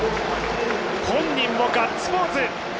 本人もガッツポーズ。